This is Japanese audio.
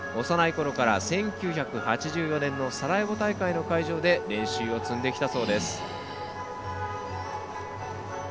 幼いころから１９８４年のサラエボ大会の会場で練習を積んできたそうです。